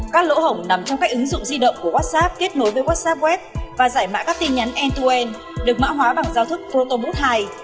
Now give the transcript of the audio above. các lỗ hổng nằm trong các ứng dụng di động của whatsapp kết nối với whatsapp web và giải mã các tin nhắn end to end được mã hóa bằng giao thức protoboot hai